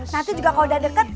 nanti juga kalau udah deket